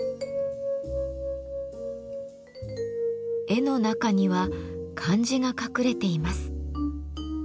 絵の中には漢字が隠れています。